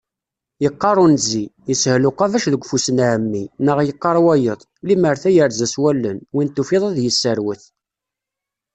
Yeqqar unzi: Yeshel uqabac deg ufus n Ɛemmi neɣ yeqqar wayeḍ: Limmer tayerza s wallen, win tufiḍ ad yesserwet.